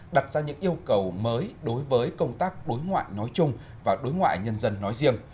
đặt ra những yêu cầu mới đối với công tác đối ngoại nói chuyện